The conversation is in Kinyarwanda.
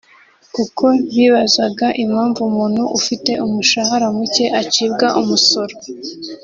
kuko bibazaga impamvu umuntu ufite umushahara muke acibwa umusoro